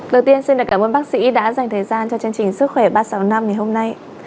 đầu tiên xin cảm ơn bác sĩ đã dành thời gian cho chương trình sức khỏe ba trăm sáu mươi năm ngày hôm nay